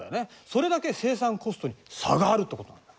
それだけ生産コストに差があるってことなんだ。